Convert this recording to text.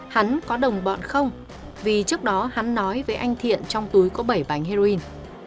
hắn có đồng bọn không vì trước đó hắn nói với anh thiện trong túi có bảy bánh heroin